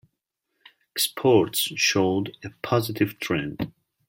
Exports showed a positive trend.